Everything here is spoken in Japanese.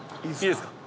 いいですか？